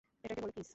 এটাকে বলে কিস!